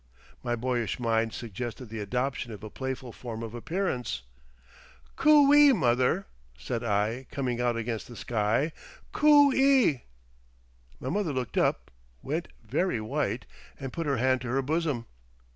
My boyish mind suggested the adoption of a playful form of appearance. "Coo ee, mother" said I, coming out against the sky, "Coo ee!" My mother looked up, went very white, and put her hand to her bosom.